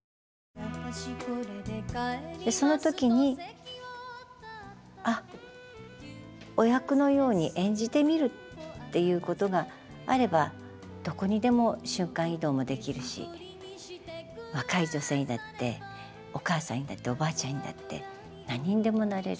でその時にあっお役のように演じてみるっていうことがあればどこにでも瞬間移動もできるし若い女性にだってお母さんにだっておばあちゃんにだって何にでもなれる。